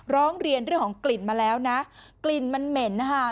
ร้องเรียนเรื่องของกลิ่นมาแล้วนะกลิ่นมันเหม็นนะคะ